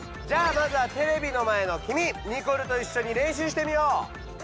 じゃあまずはテレビの前のきみニコルといっしょに練習してみよう！